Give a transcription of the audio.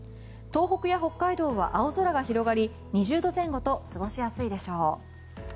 東北や北海道は青空が広がり２０度前後と過ごしやすいでしょう。